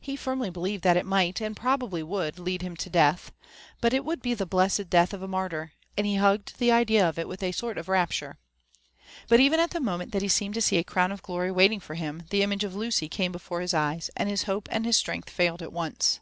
He firmly believed that it might, and probably would, lead him to death ; but it would be the blessed death of a martyr, and he hugged the idea of it with a sort of rapture. But even at the mo ment that he seemed to see a crown of glory waiting for him, the image of Lucy came before his eyes, and his hope and his strength failed at once.